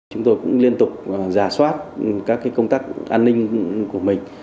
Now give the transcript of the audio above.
chúng tôi cũng liên tục giả soát các công tác an ninh của mình